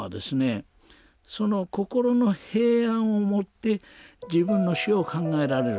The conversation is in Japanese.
その心の平安をもって自分の死を考えられる。